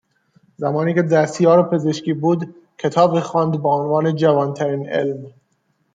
زمانی که دستیار پزشکی بود، کتابی خواند با عنوان جوانترین علم